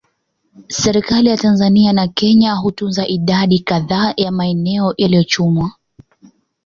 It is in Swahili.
Serikali ya Tanzania na Kenya hutunza idadi kadhaa ya maeneo yaliyochunwa